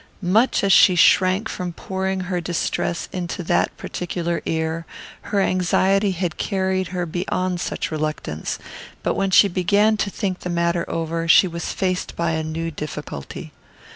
Much as she shrank from pouring her distress into that particular ear, her anxiety had carried her beyond such reluctance; but when she began to think the matter over she was faced by a new difficulty.